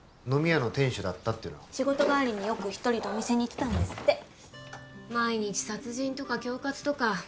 飲み屋の店主だったっていうのは仕事帰りによく一人でお店に行ってたんですって毎日殺人とか恐喝とか